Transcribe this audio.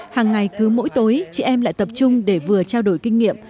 hàng ngày cứ mỗi tối chị em lại tập trung để vừa trao đổi kinh nghiệm